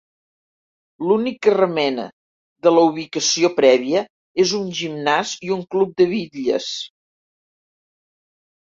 L'únic que remena de la ubicació prèvia és un gimnàs i un club de bitlles.